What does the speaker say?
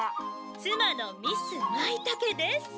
つまのミス・マイタケです。